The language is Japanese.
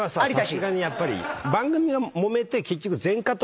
さすがにやっぱり。